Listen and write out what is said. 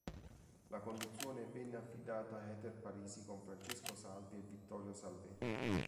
La conduzione venne affidata a Heather Parisi con Francesco Salvi e Vittorio Salvetti.